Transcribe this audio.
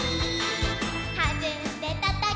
「はずんでたたけば」